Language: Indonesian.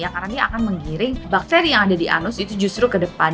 karena dia akan menggiring bakteri yang ada di anus itu justru ke depan